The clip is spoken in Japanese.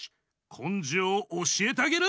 こんじょうをおしえてあげる。